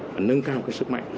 nâng cao cái sức mạnh